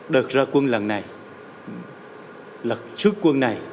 đợt ra quân lần này lật trước quân này